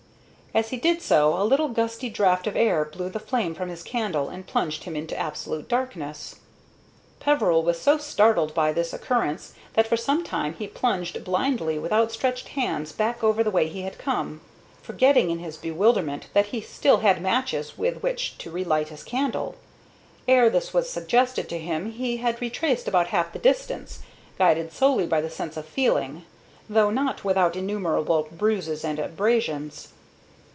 As he did so a little gusty draught of air blew the flame from his candle and plunged him into absolute darkness. [Illustration: PEVERIL SAT BESIDE THE FIRE IN FORLORN MEDITATION] Peveril was so startled by this occurrence that for some time he plunged blindly with outstretched hands back over the way he had come, forgetting in his bewilderment that he still had matches with which to relight his candle. Ere this was suggested to him he had retraced about half the distance, guided solely by the sense of feeling, though not without innumerable bruises and abrasions.